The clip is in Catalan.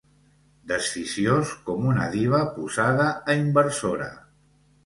Desficiós com una diva posada a inversora.